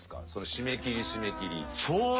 締め切り締め切り。